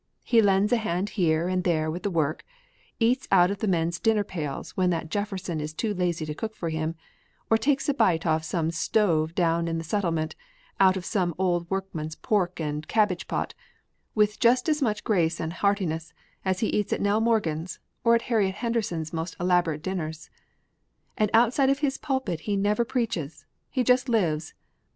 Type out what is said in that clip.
He lends a hand here and there with the work, eats out of the men's dinner pails when that Jefferson is too lazy to cook for him, or takes a bite off some stove down in the Settlement out of some old woman's pork and cabbage pot with just as much grace and heartiness as he eats at Nell Morgan's or Harriet Henderson's most elaborate dinners. And outside of his pulpit he never preaches; he just lives.